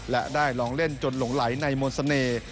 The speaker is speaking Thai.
และได้ลองเล่นจนหลงไหลในมนต์เสน่ห์